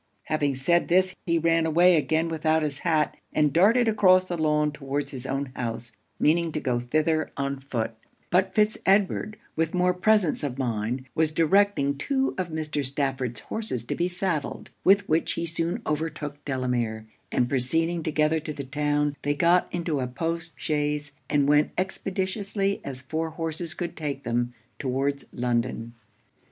Having said this, he ran away again without his hat, and darted across the lawn towards his own house, meaning to go thither on foot; but Fitz Edward, with more presence of mind, was directing two of Mr. Stafford's horses to be saddled, with which he soon overtook Delamere; and proceeding together to the town, they got into a post chaise, and went as expeditiously as four horses could take them, towards London.